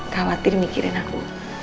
gawatir mikirin aku